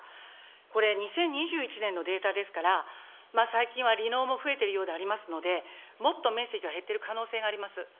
これ、２０２１年のデータですから、最近は離農も増えているようでありますので、もっと面積は減っている可能性があります。